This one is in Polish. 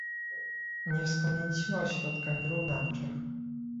Nie wspomnieliśmy o środkach wyrównawczych